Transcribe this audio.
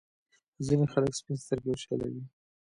ځينې خلک سپين سترګي او شله وي.